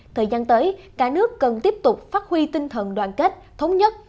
thời gian tới cả nước cần tiếp tục phát huy tinh thần đoàn kết thống nhất